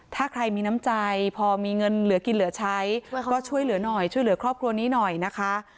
ถ้าใครมีน้ำใจพอมีเงินเหลือกินเหลือใช้ก็ช่วยเหลือหน่อยช่วยเหลือครอบครัวนี้หน่อยนะคะ